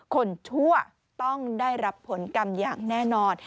ชั่วต้องได้รับผลกรรมอย่างแน่นอน